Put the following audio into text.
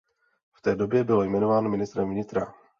V té době byl jmenován ministrem vnitra.